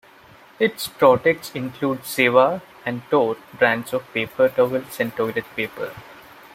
Its products include "Zewa" and "Tork" brands of paper towels and toilet paper.